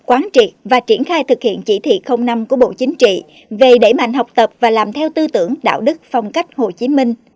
quán triệt và triển khai thực hiện chỉ thị năm của bộ chính trị về đẩy mạnh học tập và làm theo tư tưởng đạo đức phong cách hồ chí minh